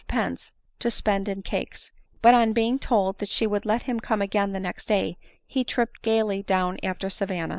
pence to spend in cakes : but on being told that she would let him come again the next day, he tripped gaily down after Savanna.